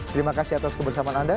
terima kasih atas kebersamaan anda